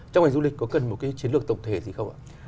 trong ngành du lịch có cần một cái chiến lược tổng thể gì không ạ